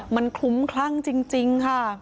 มันขลุ้มคลังจริง